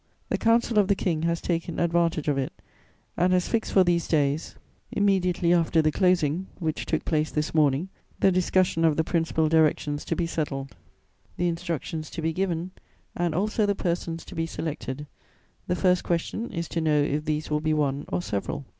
The Council of the King has taken advantage of it and has fixed for these days, immediately after the closing, which took place this morning, the discussion of the principal directions to be settled, the instructions to be given, and also the persons to be selected: the first question is to know if these will be one or several.